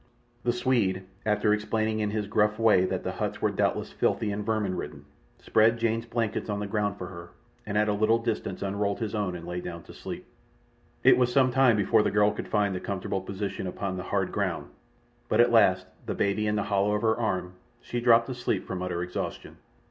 The Swede, after explaining in his gruff way that the huts were doubtless filthy and vermin ridden, spread Jane's blankets on the ground for her, and at a little distance unrolled his own and lay down to sleep. It was some time before the girl could find a comfortable position upon the hard ground, but at last, the baby in the hollow of her arm, she dropped asleep from utter exhaustion.